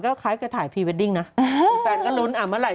ก็คล้ายกับถ่ายพีเวดดิงนะเป็นแฟนก็ลุ้นอะเมื่อไหรล่ะ